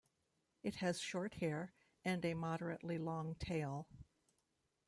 It has short hair and a moderately long tail.